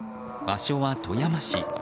場所は富山市。